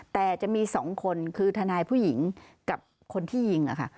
แต่จะมี๒คนคือทนายผู้หญิงกับคนที่ยิงค่ะ